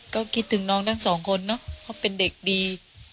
ก็คิดถึงน้องทั้งสองคนเนอะเพราะเป็นเด็กดี